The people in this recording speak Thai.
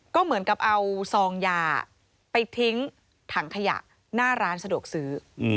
ก็เหมือนกับเอาซองยาไปทิ้งถังขยะหน้าร้านสะดวกซื้อ